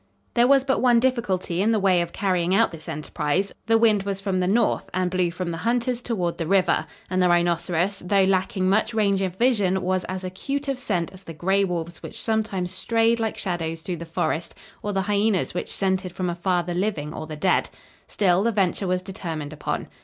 There was but one difficulty in the way of carrying out this enterprise: the wind was from the north and blew from the hunters toward the river, and the rhinoceros, though lacking much range of vision, was as acute of scent as the gray wolves which sometimes strayed like shadows through the forest or the hyenas which scented from afar the living or the dead. Still, the venture was determined upon.